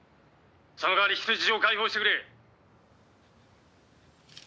「その代わり人質を解放してくれ」